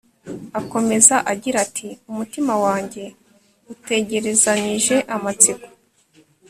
akomeza agira ati umutima wanjye utegerezanyije amatsiko